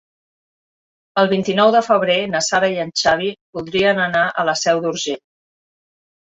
El vint-i-nou de febrer na Sara i en Xavi voldrien anar a la Seu d'Urgell.